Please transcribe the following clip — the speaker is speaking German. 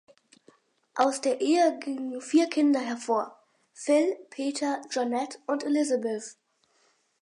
Aus der Ehe gingen vier Kinder hervor: Phil, Peter, Janet und Elisabeth.